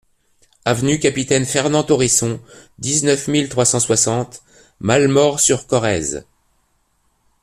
Avenue Capitaine Fernand Taurisson, dix-neuf mille trois cent soixante Malemort-sur-Corrèze